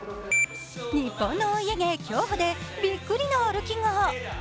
日本のお家芸競歩でびっくりの歩きが。